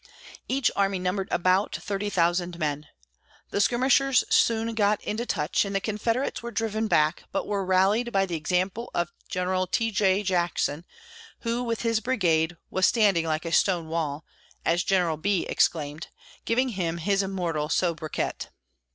Each army numbered about thirty thousand men. The skirmishers soon got into touch, and the Confederates were driven back, but were rallied by the example of General T. J. Jackson, who with his brigade was "standing like a stonewall," as General Bee exclaimed, giving him his immortal sobriquet.